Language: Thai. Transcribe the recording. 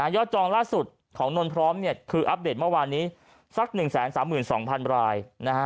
จองล่าสุดของนนท์พร้อมคืออัปเดตเมื่อวานนี้สัก๑๓๒๐๐๐ราย